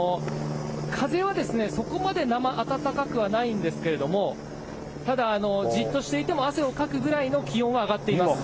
風はそこまで生暖かくはないんですけれども、ただ、じっとしていても汗をかくぐらいの気温は上がっています。